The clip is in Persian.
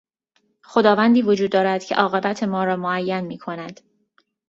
خداوندی وجود دارد که عاقبت ما را معین میکند.